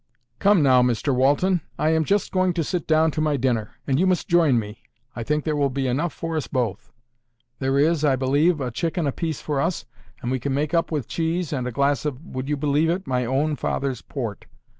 "Come now, Mr Walton, I am just going to sit down to my dinner, and you must join me. I think there will be enough for us both. There is, I believe, a chicken a piece for us, and we can make up with cheese and a glass of—would you believe it?—my own father's port.